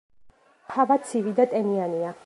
ჰავა ცივი და ტენიანია.